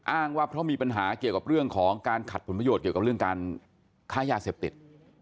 อ้างว่าเพราะมีปัญหาเกี่ยวกับเรื่องของการขัดผลประโยชน์เกี่ยวกับเรื่องการค้ายาเสพติด